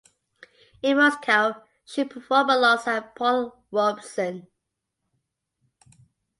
In Moscow she performed alongside Paul Robeson.